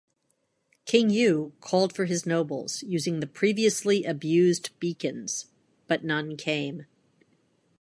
King You called for his nobles using the previously abused beacons but none came.